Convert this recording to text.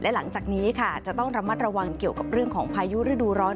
หลังจากนี้ค่ะจะต้องระมัดระวังเกี่ยวกับเรื่องของพายุศีลประเทศที่เรา